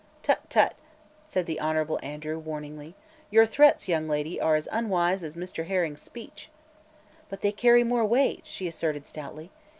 "Tut tut!" said the Hon. Andrew, warningly. "Your threats, young lady, are as unwise as Mr. Herring's speech." "But they carry more weight," she asserted stoutly.